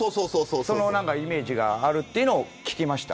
そのイメージがあるというのを聞きました。